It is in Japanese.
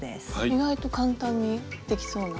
意外と簡単にできそうな。